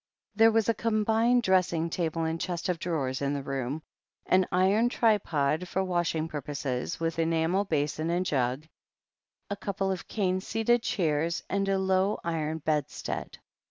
There was a combined dressing table and chest of drawers in the room, an iron tripod for washing pur poses, with enamel basin and jug, a couple of cane seated chairs and a low iron bedstead.